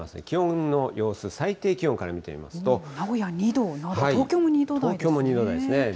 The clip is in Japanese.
気温の様子、最低気温から見てみ名古屋２度など、東京も２度東京も２度台ですね。